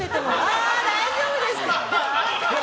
ああ、大丈夫ですか？